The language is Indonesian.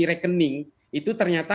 rekening itu ternyata